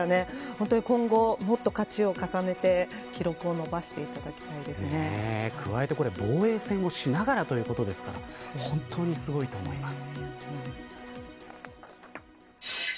本当に今後、もっと勝ちを重ねて記録を加えて防衛戦をしながらということですから本当に、すごいと思います。